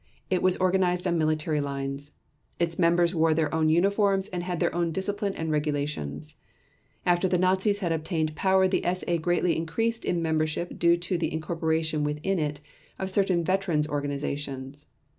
It was organized on military lines. Its members wore their own uniforms and had their own discipline and regulations. After the Nazis had obtained power the SA greatly increased in membership due to the incorporation within it of certain veterans organizations.